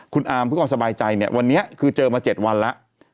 คุณอาร์มเพื่อความสบายใจเนี่ยวันนี้คือเจอมา๗วันแล้ว